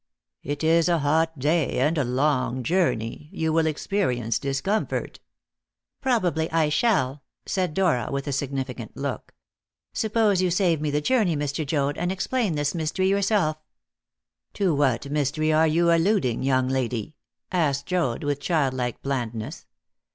"It is a hot day, and a long journey. You will experience discomfort." "Probably I shall," said Dora, with a significant look. "Suppose you save me the journey, Mr. Joad, and explain this mystery yourself?" "To what mystery are you alluding, young lady?" asked Joad with childlike blandness.